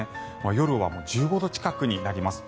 夜は１５度近くになります。